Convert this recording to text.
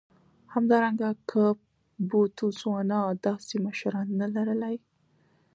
همدارنګه که بوتسوانا داسې مشران نه لر لای.